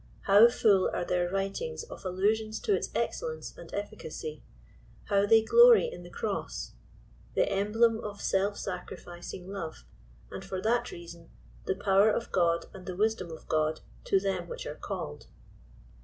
How full are their writings of allusions to its excellence and efficacy ! How they glory in the cross! — the emblem of self sacrificing love, and, for that reason, " the power of God and the wisdom of God to them which are called."